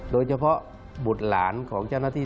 โดยเฉพาะบุตรหลานของเจ้าหน้าที่